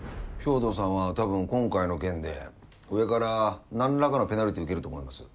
豹堂さんはたぶん今回の件で上からなんらかのペナルティー受けると思います。